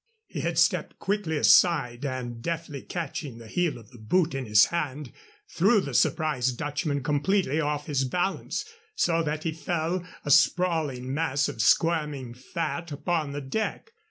He had stepped quickly aside, and, deftly catching the heel of the boot in his hand, threw the surprised Dutchman completely off his balance, so that he fell, a sprawling mass of squirming fat, upon the deck.